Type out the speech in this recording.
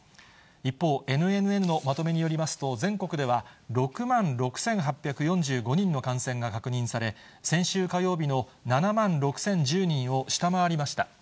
一方、ＮＮＮのまとめによりますと、全国では６万６８４５人の感染が確認され、先週火曜日の７万６０１０人を下回りました。